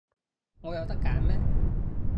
我有得揀咩？